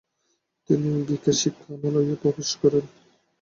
তিনি ভিকের শিক্ষালয়ে প্রবেশ করেন।